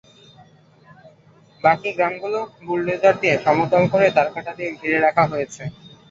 বাকি গ্রামগুলো বুলডোজার দিয়ে সমতল করে তারকাঁটা দিয়ে ঘিরে রাখা হয়েছে।